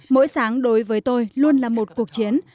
mỗi sáng đối với tôi luôn là một cuộc chiến